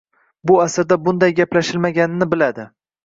Bu asrda bunday gaplashilmaganini biladi.